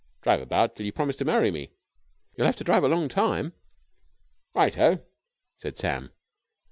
"Drive about till you promise to marry me." "You'll have to drive a long time." "Right ho!" said Sam.